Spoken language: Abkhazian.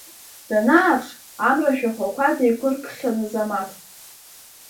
Данааԥш, амра ашәахәақәа деиқәыркхьан Азамаҭ…